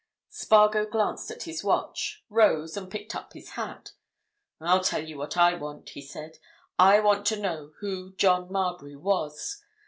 Spargo glanced at his watch, rose, and picked up his hat. "I'll tell you what I want," he said. "I want to know who John Marbury was.